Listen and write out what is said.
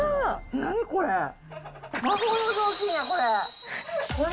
何これ。